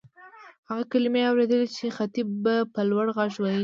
هغه کلیمې اورېدلې چې خطیب به په لوړ غږ وېلې.